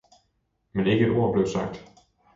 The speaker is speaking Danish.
men ikke et ord blev sagt.